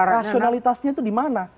jadi rasionalitasnya itu di mana